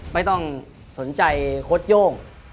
ไม่ต้องสนใจโค้ดโย่ง